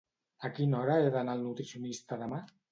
A quina hora he d'anar al nutricionista demà?